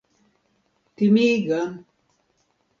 timiga